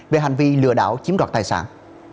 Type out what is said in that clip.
về hành vi lừa đảo chiếm gọt tài sản